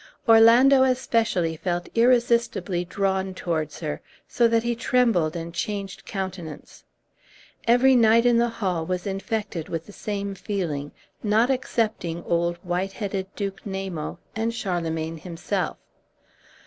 Orlando especially felt irresistibly drawn towards her, so that he trembled and changed countenance. Every knight in the hall was infected with the same feeling, not excepting old white headed Duke Namo and Charlemagne himself.